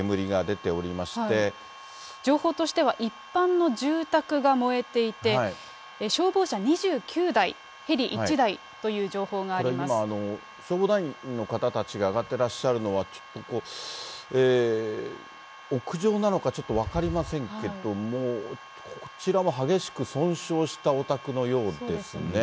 情報としては、一般の住宅が燃えていて、消防車２９台、これ今、消防団員の方たちが上がってらっしゃるのは、屋上なのかちょっと分かりませんけども、こちらは激しく損傷したお宅のようですね。